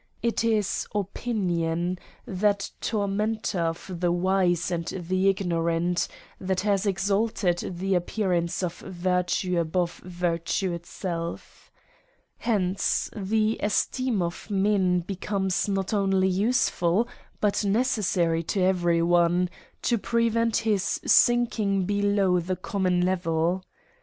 It is opinion, that tormentor of the wise and the igno rant, that has exalted the appearance of virtue above virtue itself. Hence the esteem of men becomes not only useful but necessary to every one, to prevent his sinking below the common le vel.